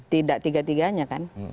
tidak tiga tiganya kan